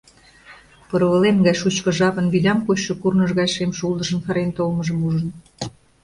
Порволем гай шучко жапын вилям кочшо курныж гай шем шулдыржым шарен толмыжым ужын...